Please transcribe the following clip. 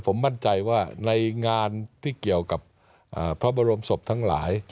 ผมมั่นใจว่าในงานที่เกี่ยวกับพระบรมศพทั้งหลาย